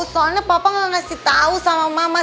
soalnya papa nggak ngasih tahu sama mama